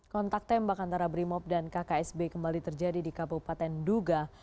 kontak tembak antara brimop dan kksb kembali terjadi di kabupaten duga